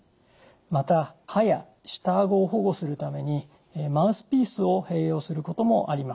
また歯や下顎を保護するためにマウスピースを併用することもあります。